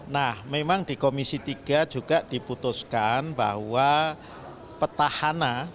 nah memang di komisi tiga juga diputuskan bahwa petahana